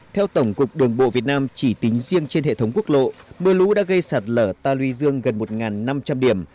theo tổng cục đường bộ việt nam chỉ tính riêng trên hệ thống quốc lộ mưa lũ đã gây sạt lở ta luy dương gần một năm trăm linh điểm